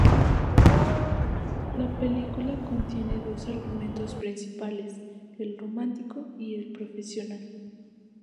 La película contiene dos argumentos principales: el romántico y el profesional.